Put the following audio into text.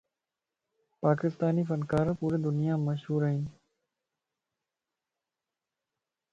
پاڪستاني فنڪارَ پوري دنيامَ مشھور ائين.